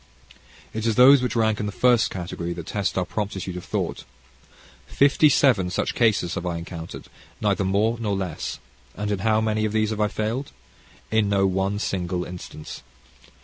It is those which rank in the first category that test our promptitude of thought. Fifty seven such cases have I encountered, neither more nor less. And in how many of these have I failed? In no one single instance.